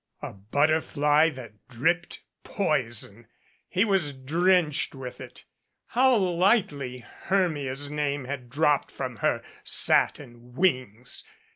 A butterfly that dripped poison! He was drenched with it. How lightly Hermia's name had dropped from her satin wings